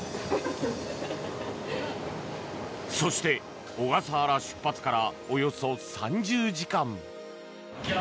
そして小笠原出発からおよそ３０時間。